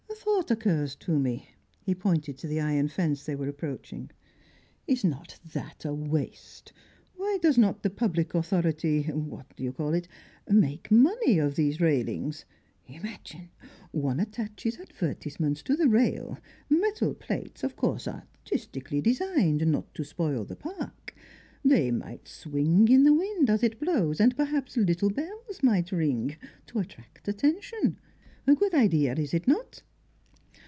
A thought occurs to me." He pointed to the iron fence they were approaching. "Is not that a waste? Why does not the public authority what do you call it? make money of these railings? Imagine! One attaches advertisements to the rail, metal plates, of course artistically designed, not to spoil the Park. They might swing in the wind as it blows, and perhaps little bells might ring, to attract attention. A good idea, is it not?"